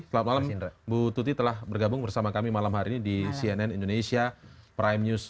selamat malam bu tuti telah bergabung bersama kami malam hari ini di cnn indonesia prime news